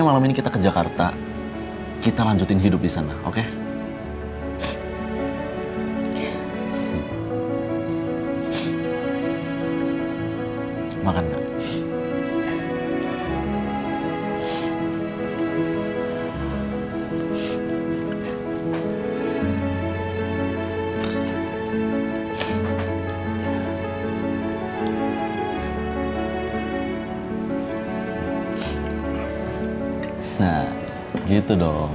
anak kakak itu juga harus sehat